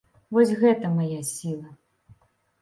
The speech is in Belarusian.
Вось гэта мая сіла.